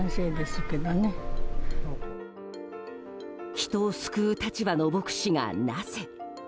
人を救う立場の牧師がなぜ。